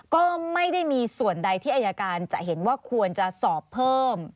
ก็ไม่ได้มีส่วนใดที่อายการจะเห็นว่าควรจะสอบเพิ่ม